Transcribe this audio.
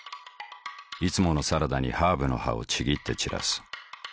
いつものサラダにハーブの葉をちぎって散らす。